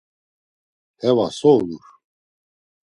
Heva so ulur?